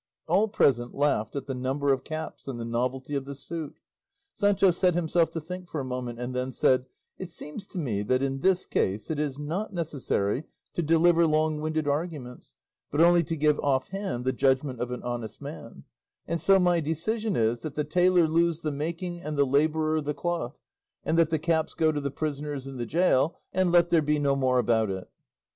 All present laughed at the number of caps and the novelty of the suit; Sancho set himself to think for a moment, and then said, "It seems to me that in this case it is not necessary to deliver long winded arguments, but only to give off hand the judgment of an honest man; and so my decision is that the tailor lose the making and the labourer the cloth, and that the caps go to the prisoners in the gaol, and let there be no more about it."